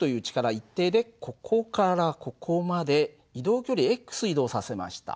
一定でここからここまで移動距離移動させました。